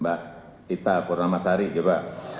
mbak kita kurang masari coba